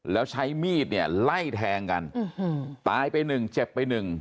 แล้วใช้มีดเนี่ยไล่แทงกันตายไปหนึ่งเจ็บไปหนึ่ง